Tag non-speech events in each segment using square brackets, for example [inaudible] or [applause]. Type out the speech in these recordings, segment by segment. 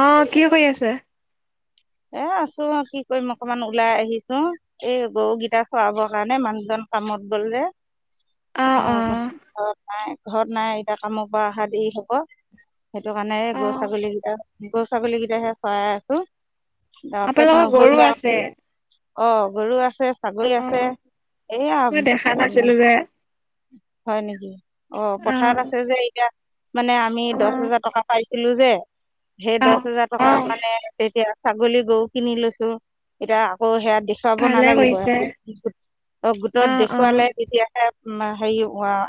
অঁ কি কৰি আছে? এ আছো আও কি কৰিম অকমান ওলাই আহিছো। এই গৰুগেইটাক খোৱাবৰ কাৰণে মানুহজন কামত গ'ল যে। অ এ অ ঘৰত নাই ঘৰত নাই এতিয়া কামৰ পৰা অহা দেৰি হব। সেইটো কাৰণে এ অ গৰু ছাগলী কেইটা গৰু ছাগলী কেইটাহে ছৰাই আছো। অ পেট আপোনালোকৰ গৰু নভৰিলে আ আছে অ গৰু আছে অ ছাগলী আছে এইয়া [inaudible] মই দেখা নাছিলো যে হয় নেকি? অ পথাৰত আছ যে এতিয়া মানে আমি অ দহ হেজাৰ টকা পাইছিলো যে সেই অ দহ হেজাৰ অ টকাত মানে এতিয়া ছাগলী গৰু কিনি লৈছো এতিয়া আকৌ সেয়া দে খোৱাব ভালে নালাগিব, কৰিছে গোটত অ অ দেখুৱালে তেতিয়াহে হেৰি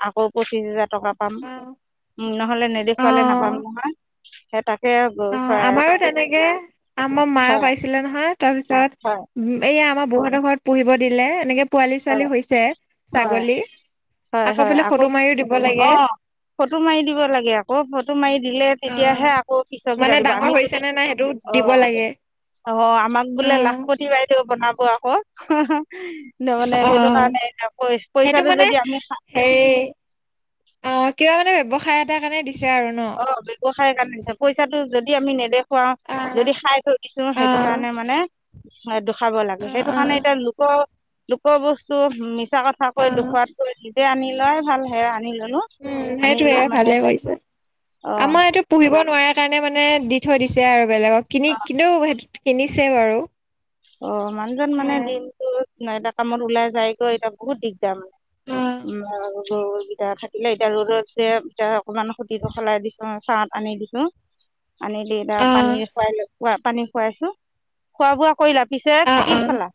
আকৌ পঁচিশ হোজাৰ টকা পাম অ নহলে নেদেখ অ খুৱালে নাপাম নহয় সেই তাকে হয় আমাৰো তেনেকে আমাৰ মায়ে হয় পাইছিলে নহয় তাৰপিছত উম এয়া আমাৰ বৌহঁতৰ ঘৰত পুহিব দিলে এনেকে পোৱালী হয় ছোৱালী হৈছে হয় ছাগলী হয় আকৌ হয় বোৰে ফটো মাৰিও দিব লাগে অঁ ফটো মাৰি দিব লাগে আকৌ ফটো মাৰি দিলে অ তেতিয়াহে আক কৌ পিছৰ কেইটা মানে দিব ডাঙৰ আমি হৈছে যদি নে নাই সেইটো অ দিব লাগে অ আমাক অ বোলে লাখপতি বাই দেউ বনাব আকৌ হা হা ন মানে অ সেইটো কাৰণে এতিয়া পইচাটো যদি আমি সেই অ কিবা মানে ব্যৱসায় এটা কাৰণে দিছে আৰু ন ব্যৱসায় কাৰণে দিছে পইচাটো যদি আমি নেদেখুৱাও অ', যদি খাই থৈ ছো সেইটো অ', কাৰণে মানে দেখাব লাগে সেইটো অ', কাৰণে এতিয়া লোক লোক কৰ বস্তু মিছা কথা কৈ উম, দেখুৱাতকৈ নিজে আনি লোৱাই ভাল সেয়া আনি ললো উম সেইটোয়ে ভালে কৰিছে অঁ আমাৰ এইটো পুহিব নোৱাৰাৰ কাৰণে মানে দি থৈ দিছে আৰু বেলেগক কিনি কিন্তু কিনিছে বাৰু অ মানুহজন মানে অ', দিনতো এটা কামত ওলাই যায়গৈ এতিয়া বহুত দিগ দাৰ মানে অ', আৰু গৰুকেইটা থাকিলে এতিয়া ৰ'দত যে এতিয়া অকনমান খুতিটো সলাই দিছো, চাহত আনি দিছো। আনি দি এতিয়া, পানী খুৱাই পানী খুৱাইছো খোৱা বোৱা। কৰিলা পিছে, অ', অ কি খালা?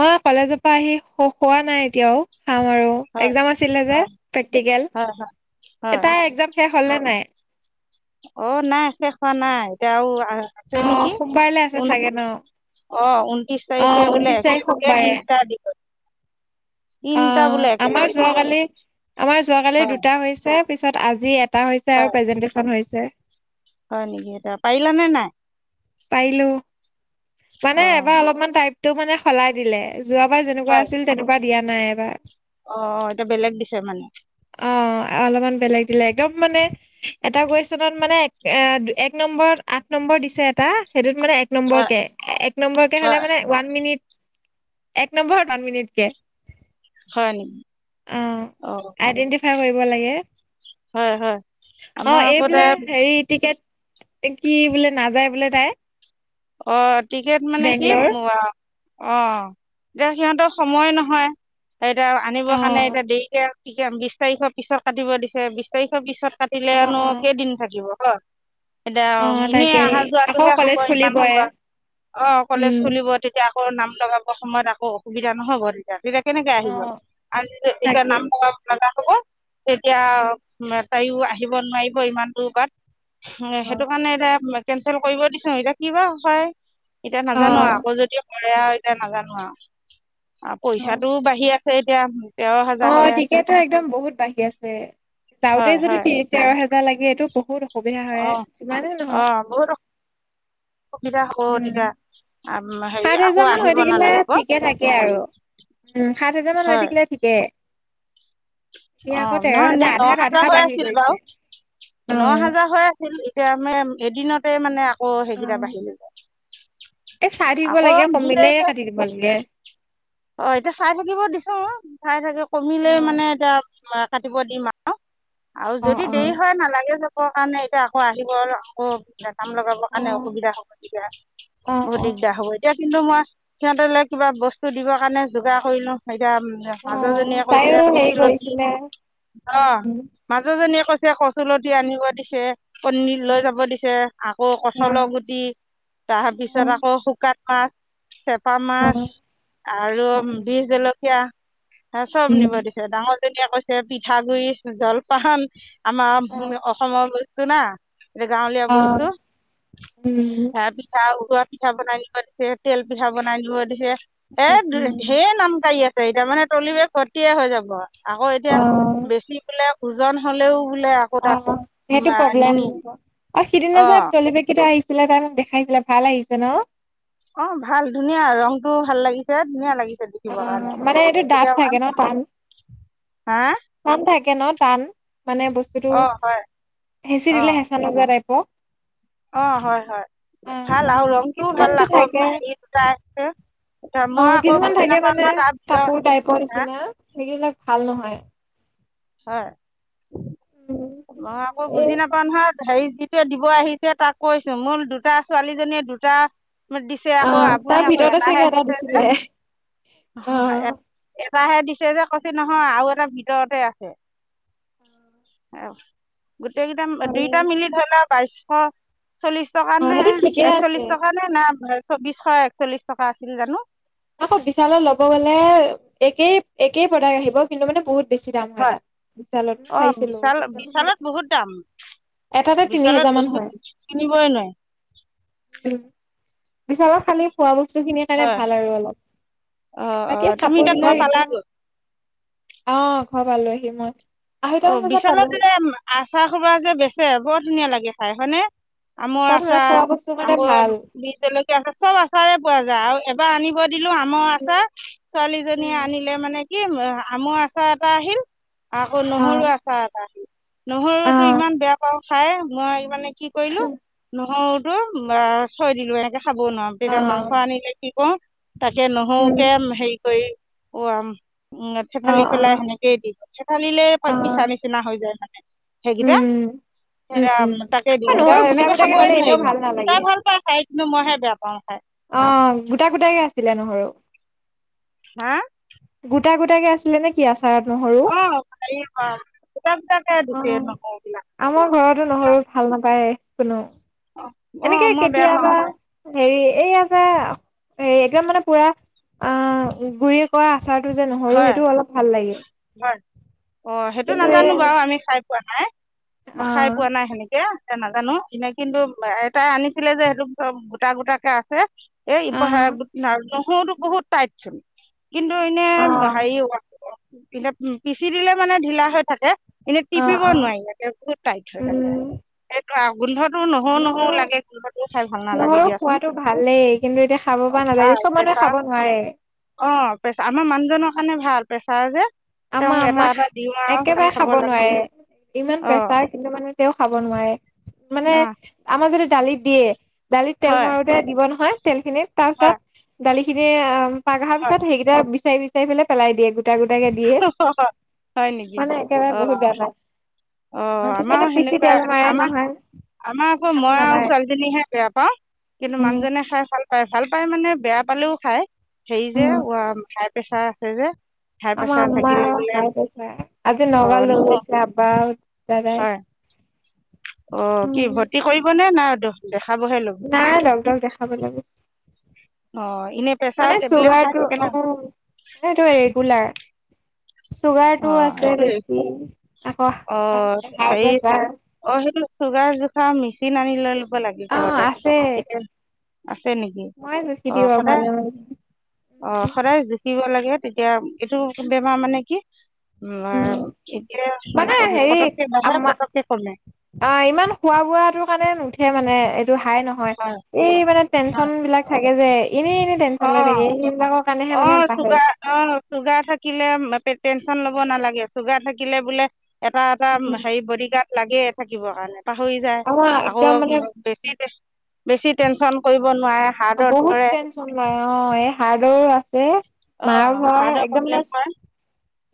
মই কলেজৰ পৰা আহি খো খোৱা নাই এতিয়াও। খাম আৰু, হয় একজাম আছিলে যে হয় প্ৰেক্টিকেল, হয় হয়। এ হয় তাইৰ একজাম শেষ হ'লনে নাই? অ' নাই, শেষ হোৱা নাই, এতিয়া আৰু আছে অ', নেকি সোমবাৰলৈ আছে চাগে ন? [unintelligible] অহ', ঊনত্ৰিশ অ', তাৰিখে বোলে ঊনত্ৰিশ তাৰিখ একেলগে সোমবাৰে। তিনটা দিব। তিনিটা অ', বোলে। আমাৰ একেলগে দিব হয় যোৱাকালি, আমাৰ যোৱাকালি দুটা হৈছে পিছত আজি এট টা হৈছে আৰু হয় প্ৰেজেণ্টেছন হৈছে। হয় নেকি, পাৰিলা নে নাই? পাৰিলো। মানে অ এইবাৰ অলপমান টাইপটো মানে সলাই দিলে, যোৱাবাৰ যেনেকুৱা হয় আছিল তেনেকুৱা দিয়া নাই এইবাৰ। অ', এতিয়া বেলেগ দিছে মানে। অ', আও অলপমান বেলেগ দিলে, একদম মানে। এটা কুৱেশনত মানে এক নম্বৰত আঠ নম্বৰ দিছে এটা, সেইটোত মানে এক হয় নম্বৰতে, এক নম্বৰকে হয় হ'লে মানে ওৱান মিনিট, এক নম্বৰ ওৱান মিনিট কে। হয় নেকি অ', আইডেন্টিফাই কৰিব লাগে। হয় হয় অ' আমাৰ আকৌ তে এইবিলাক হেৰি টিকেট কি বোলে নাযায় বোলে তাই। অ', টিকেট মানে কি? বেংগলৰ অ', এতিয়া সিহঁতৰ সময় নহয়, এতিয়া অ আনিবৰ কাৰণে এতিয়া দেৰিকে বিশ তাৰিখৰ পিছত কাটিব দিছে, বিশ তাৰিখৰ পিছত অ কাটিলেনো অ কেইদিন থাকিব। এতিয়া, অ এনেই তাকেই অহা আকৌ যোৱাটোহে হ'ব কলেজ ইমান। খুলিবই অ', কলেজ উম খুলিব, তেতিয়া আকৌ নাম লগাব সময়ত আকৌ অসুবিধা নহ'ব। ৰাতিলে কেনেকে আহিব আৰু এতিয়া তাকে নাম [unintelligible] তেতিয়া তাইয়ো আহিব নোৱাৰিব, ইমান দূৰ বাট। অ সেইটো কাৰণে এতিয়া কেনচেল কৰিব দিছো, এতিয়া কিবা হয়। এতিয়া নাজানো, আকৌ যদিও কৰে আৰু এতিয়া নাজানো আৰু, পইচাটোও বাঢ়ি আছে। এতিয়া। তেৰ হাজাৰ হৈ অ', আছে তেতিয়াটো একদম বহুত বাঢ়ি আছে, যাওঁতে হয় যদি হয় তেৰ হোজাৰ লাগে এইটো বহুত অসুবিধা হয়, যিমানে নহওক। অ'। [inaudible] সুবিধা হব উম তেতিয়া, হেৰি সাত হেজাৰ আকৌ মান হৈ আহিব থাকিলে নালাগিব? ঠিকে থাকে আৰু উম, সাত হাজাৰ মান হৈ থাকিলে ঠিকে। এতিয়া আকৌ অ', তেৰ নহয় হাজাৰ ন আধাত হাজাৰ আধা হৈ বাঢ়ি আছিল গৈছে বাৰু, অ ন হাজাৰ হৈ ছিল, এতিয়া মানে এদিনতে মানে আকৌ সেইকেইটা বাঢ়িল। এ চাই থাকিব লাগে, দুই কমিলে কাটি দিব লাগে। অ', এতিয়া চাই থাকিব দিছো, চাই থাকে অ কমিলেই মানে এতিয়া কাটিব দিম আৰু। অ', আৰু অ যদি দেৰি হয় নালাগে যাব, কাৰণে এতিয়া আকৌ আহিব আকৌ কাম লগাব অ কাৰণে অসুবিধা হ'ব তেতিয়া, অ বহুত অ এতিয়া কিন্তু মই, সিহঁতলে কিবা বস্তু দিবৰ কাৰণে যোগাৰ কৰিলো, এতিয়া অ মানুহজনীয়ে তাইও কৈছে হেৰি কচু লতি, কৰিছিলে অ' উম মানুহজনীয়ে কৈছে কচুলতি আনিব দিছে। কণী লৈ যাব দিছে, আকৌ অ অ কঠালৰ গুটি। তাৰ উম পিছত আকৌ শুকাত মাছ, কেছা অ মাছ। আৰু উম বিহ জলকীয়া, হ চব উম নিব দিছে। ডাঙৰ জনীয়ে কৈছে পিঠাগুৰি জলপান আমাৰ অ অস অসমৰবস্তু না গাঁৱলীয়া অ বস্তু সেইটো হে চাহ উতলোৱা পিঠা বনাই নিব দিছে, তেল পিঠা বনাই নিব দিছে। এ ধেৰ নাম কাঢ়ি আছে এতিয়া, মানে তলি বেগ ভৰ্তিয়ে হৈ যাব আৰু। আকৌ এতিয়া বেছি পেলাই ওজন হলেও। বোলে আকৌ তাত অ' অ' উম, সেইটো আহ, প্ৰব্লেম নিনিয়ে হব অ' সিদিনা যে অঁ তলিবেগকেইটা আহিছে। আহিছিলে কাৰণে দেখাইছিলে ভাল আহিছে ন' অ' ভাল ধুনীয়া ৰং টো ভাল লাগিছে ধুনীয়া লাগিছে। অ' দেখিবৰ কাৰণে মানে এইটো ডাঠ এতিয়া থাকে ন আমি- টান। হা টান থাকে ন' টান মানে বস্তুতটো অঁ হয় হেঁচি দিলে হেঁচা নযোৱা টাইপৰ। অ' হয়- হয়। অ ভাল আৰু ৰংটোও কিছুমান ভাল যে আকৌ থাকে হেৰি দুটা আছে এ অ মই আকৌ কিছুমান বুজি থাকে ন' মানে কাপোৰ টাইপৰ নিচিনা সেইগিলাক ভাল নহয়। হয় উম সেইটো মই আকৌ কাৰণে এই বুজি নাপাওঁ। মানৰ হে যিটোৱে দিব আহিছে তাক কৈছো মোৰ দুটা ছোৱালীজনীয়ে দুটা। দিছে আকৌ অ আপুনি তাৰ আকৌ ভিতৰতে এটাহে চাগে এটা দিছে যে। দিছিলে অ হয় হয় এ এটাহে দিছে যে কৈছে নহয় আৰু এটা ভিতৰতে আছে। গোটেই কেইটা ভালে দুইটা মিলি ধৰি লওক। পাঁচশ চল্লিশ টকাত অ নে সেইটো ঠিকে আছে একচল্লিশ টকাত। মানে নাই চৌবিশ একচল্লিশ টকা আছিল জানো। আকৌ বিশালত ল'ব গ'লে একেই- একেই প্ৰডাক্ট আহিব কিন্তু মানে বহুত। বেছি দাম হয় তাত বিশালত মই অ' চাইছিলো বিশাল বিশালত বহুত দাম। এটাতে তিনি বিশালৰ হেজাৰ মান বস্তু হয় কিনিবই নোৱাৰি। উম বিছালত খালি খোৱা বস্তু খিনিৰ কাৰণে হয় ভাল আৰু অলপ। অঁ অঁ তাকে তুমি কাপোৰ এতিয়া ঘৰ বিলাক একদম। পালাগৈ অ', ঘৰ পৰা লৈ আহি মই। আঢ়ৈটামান অ', বজাত বিশালত পালোহি এ আচাৰ খবা যে বেচে বৰ ধুনীয়া লাগে খাইপিনে হয়নে। আমৰ তাত মানে আচাৰ, খোৱা বস্তুৰ কাৰণে আকৌ ভাল বিজ লকীয়া চব আচাৰে পোৱা যায় আৰু এবাৰ আনিব দিলো আমৰ আচাৰ, ছোৱালীজনীয়ে উম আনিলে মানে কি আমৰ আচাৰ এটা আহিল। আকৌ অ নহৰু আচাৰ এটা আহি, অ নহৰুতটো ইমান বেয়া পাওঁ খাই মই মানে কি কৰিলো, নহৰুটো থৈ দিলোঁ একে খাব নোৱাৰো। অ যেতিয়া মাংস আনিলে কি ক, তাকে উম নহৰুকে হেৰি কৰি খুৱাম। উম অ থেঠালি পেলাই অ সেনেকেই দি ঠেঠালিলে অ পিছা নিচিনা হৈ যায় মানে, সেইকেইটা। উম, উম, সেয়া উম। তাকে দিওঁ নহৰু গোটা এনেকে গোটাকে খাবই হ'লে এনেও নোৱাৰিলোঁ, ভাল নালাগে। ত' ভ কোনোবাই খাই কিন্তু মইহে বেয়া পাওঁ খাই। অ', গোটা-গোটাই আছিলে নহৰু। হা? গোটা-গোটাকে আছিলে নে কি আচাৰত নহৰু? অঁ হেৰি গোটা গোটাকে দিছে অ', নহৰুবিলাক আমাৰ ঘৰতো নহৰু ভাল নাপায় কোনো। অঁ এনেকে মই বেয়া পাওঁ কেতিয়াবা। খাই হেৰি এই আ যে, এই এতিয়া মানে পুৰা অ', গুৰি কৰা আচাৰটো যে নহৰু হয় সেইটোও অলপ ভাল লাগে। হয়, অ', সেইটো কিন্তু এই নাজানো অ', বাৰু আমি খাই পোৱা নাই, খাই অ', পোৱা নাই সেনেকে। নাজানো এনেই কিন্তু এটাই আনিছিলে যে সেইটো চব গোটা-গোটাকে আছে। এই একো অ', নহৰুতো বহুত টাইট চোন, কিন্তু এনে হেৰি পিচি দিলে মানে ঢিলা হৈ থাকে, এনেই অ', টিপিব অ', নোৱাৰি এনে। তাইত হৈ থাকে। উম। গোন্ধটো নহৰু- নহৰু লাগে গোন্ধটোও খাই ভাল নালাগে দিয়া। খোৱাতটো ভালেই। কিন্তু এতিয়া খাব পৰা নাযায় ভাল চব মানুহে প্ৰেছাৰ খাব নোৱাৰে। অ', পেছা আমাৰ মানুহজনৰ কাৰণে ভাল পেছাৰ যে। তেওঁক আমাৰ এটা আমা, এটা দিওঁ আৰু ভাত একেবাৰে খাব লাগে নোৱাৰে, ইমান অ প্ৰেছাৰ কিন্তু মানে তেওঁ খাব নোৱাৰে, মানে অ আমাৰ যদি দালিত দিয়ে দালিত তেল হয় মাৰো দিব নহয় তেল খিনি, তাৰ হয় পিছত দালি খিনি অ', পাগা আৰ হয় পিছত সেইকেইটা বিচাৰি চাই পেলাই দিয়ে গোটা গোটাকে দিয়ে। হয় নেকি, মানে একেবাৰে অ'। বহুত বেয়া অ', পায় কিছুমানে আমাৰো পিচি সেনেকুৱা তেল মাৰে আমাৰ, নহয় আমাৰ আকৌ মই আৰু ছোৱালী জনীহে বেয়া পাওঁ, কিন্তু উম মানুহজনে খাই ভাল পায় ভাল পায় মানে বেয়া পালেও খায়। সেই যে উম উ হাই প্ৰেচাৰ আছে যে। হাই আমাৰ প্ৰেছাৰ আম্বা থাকিলে বোলে ভাই গৈছে, আজি অ নগাঁও লৈ নহয় গৈছে আম্বা আৰু দাদাই। হয় অ', উম কি ভৰ্তি কৰিব নে নাখ দেখাবহে? ল'ব নাই ডক্টৰ দেখাব লাগিব। অ এনেই প্ৰেছাৰ মানে টেবলেট খাই চুগাৰটো থাকে না অ', মানে সেইটো ৰেগুলাৰ। চুগাৰ অ টো আছে এইটো বেছি, আকৌ অ হেৰি হাইপ্ৰেচাৰ। অ', সেইটো চুগাৰ জোখাৰ মেচিন আনি লৈ ল'ব লাগে অ ঘৰতে, আছে এতিয়া আছে নেকি? মই জুখি অ', দিওঁ সদায় মাজে মাজে অ', সদায় জুখিব লাগে, তেতিয়া এইটো বেমাৰ কি? উ, উম এতিয়া মানে হেৰি পটককে বাহে আমা পটককে কমাই। অ ইমান খোৱা বোৱাটো কাৰণে নুঠে মানে এইটো হাই নহয় হয় এই মানে হয় টেনচন বিলাক। থাকে যে এনেই এনেই অ টেনশ্যন লৈ থাকে এই সেইবিলাকৰ অ কাৰণেহে মানে বাঢ়ে। চুগাৰ অ চুগাৰ থাকিলে টেনচন লব নালাগে চুগাৰ থাকিলে বোলে। এটা এটা হেৰি বডি গাৰ্ড লাগে থাকিবৰ কাৰণে। পাহৰি যায় আমাৰ আকৌ একদম মানে বেছি টেনচন কৰিব নোৱাৰে। অ হাৰ্টত বহুত ধৰে টেনচন লৈয় অ এই হাৰ্ডৰ আছে। এ অ মাৰ ঘৰ হাৰ্টৰ একদম প্ৰব্লেম নেচ। হয়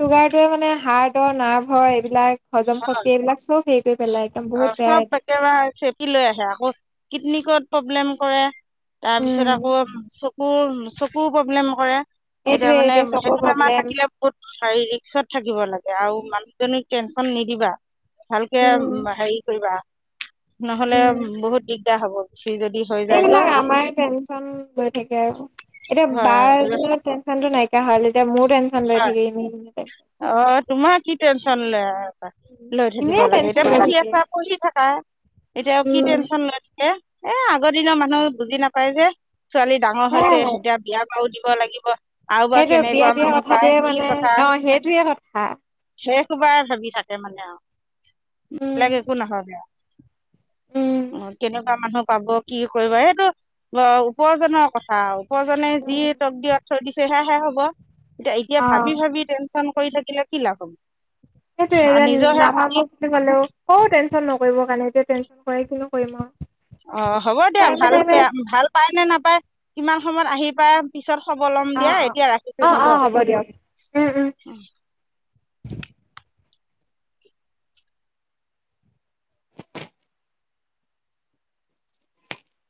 চুগাৰটোৱে মানে হাৰ্টৰ নাৰ্ভৰ এইবিলাক হজম শক্তি এইবিলাক চব সেৰিকৰি পেলাই। একদম অ বহুত বেয়া চব একেবাৰে চেপি লৈ আহে আকৌ কিডনিকত প্ৰব্লেম কৰে। তাৰ পিছত আকৌ চকুৰ চকুও প্ৰব্লেম কৰে। এতিয়া এইটোয়ে মানে চকুৰ সেইটো বেমাৰ প্ৰব্লেম থাকিলে। কত ৰিক্সত থাকিব লাগে আৰু মানুহজনী টেনচন নিদিবা ভালকে। উম হেৰি কৰিবা নহ'লে বহুত দিগদাৰ হব তুমি যদি হৈ যায়গৈ এইবিলাক বেছি আমাৰ টেনচন লৈ থাকে আৰু এতিয়া হয় বাৰ টেন্যচটো নাইকিয়া হল এতিয়া মোৰ টেন্যচন লৈ হয়, থাকে এনে অ তোমাৰ কি টেনচন ল'য়। লৈ থাকিব ইনে লাগে টেনচন এতিয়া লৈ পঢ়ি থাকে আছা পঢ়ি থাকা এতিয়া কি উম টেনশন লৈ থাকে। এ আগৰ দিনৰ মানুহে বুজি নাপায় যে ছোৱালী ডাঙৰ হৈছে সেয়াই এতিয়া বিয়া বাৰু দিব লাগিব। আৰু বা কেনেকুৱা মানুহ। পায় সেইটোৱে মানে অ সেইটোয়ে কথা। শেষবাৰ ভাবি থাকে মানে আৰু উম বেলেগ একো নহয় আৰু। [unintelligible] উম অ কেনেকুৱা মানুহ পাব কি কৰিব সেইটো উপাৰ্জনৰ কথা আও উপজনে যি টক দিৰত থয় দিছে সেহে হ'ব। এতিয়া এতিয়া অ ভাবি ভাবি টেনচন কৰি থাকিলে কি লাভ হ'ব। সেইটো এয়া নিজৰ হে নাম খতি লেও অ টেনচন নকৰিব কাৰণে এতিয়া টেনচন কৰি কিনো কৰিম আৰু অ হ'ব দিয়া টাইমে ভাল টাইমে পেই ভাল পায় নে নাপায় কিমান সময়ত আহি পায়। পিছত খবৰ লম দিয়া অ', অ', এতিয়া ৰাখিছো অ', হ'ব। অ', দিয়ক। উম, উম।